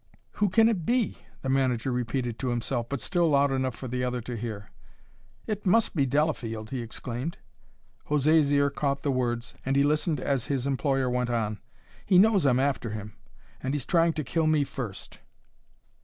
"Who can it be?" the manager repeated, to himself, but still loud enough for the other to hear. "It must be Delafield!" he exclaimed. José's ear caught the words, and he listened as his employer went on: "He knows I'm after him, and he's trying to kill me first.